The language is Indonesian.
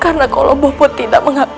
karena kalau bopo tidak mengakui ku